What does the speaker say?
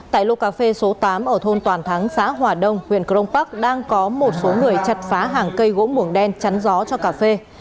tại lô cà phê số tám ở thôn toàn thắng xã hòa đông huyện crong park đang có một số người chặt phá hàng cây gỗ mồng đen chắn gió cho cà phê